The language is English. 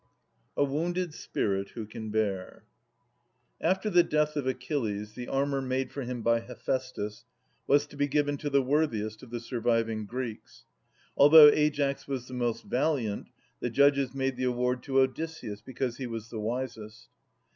E 2 'A wounded spirit who can bear?' After the death of Achilles, the armour made for him by Hephaestus was to be given to the worthiest of the surviving Greeks. Although Aias was the most valiant, the judges made the award to Odysseus, because he was the wisest.